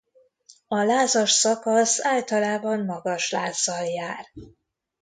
A lázas szakasz általában magas lázzal jár.